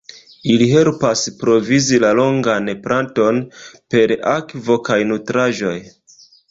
Ili helpas provizi la longan planton per akvo kaj nutraĵoj.